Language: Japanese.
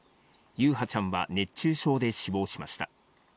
優陽ちゃんは熱中症で死亡しました。